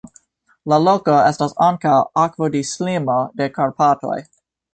La loko estas ankaŭ akvodislimo de Karpatoj.